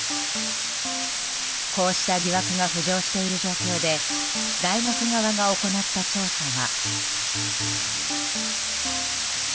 こうした疑惑が浮上している状況で大学側が行った調査は。